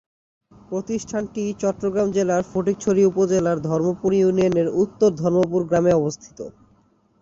প্রতিষ্ঠানটি চট্টগ্রাম জেলার ফটিকছড়ি উপজেলার ধর্মপুর ইউনিয়নের উত্তর ধর্মপুর গ্রামে অবস্থিত।